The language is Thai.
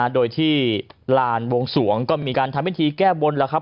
โดยที่ลานบวงสวงก็มีการทำพิธีแก้บนแล้วครับ